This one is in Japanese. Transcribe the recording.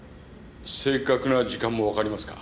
正確な時間も分かりますか？